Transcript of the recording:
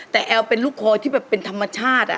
แต่แอลเป็นลูกคอยที่แบบเป็นธรรมชาติ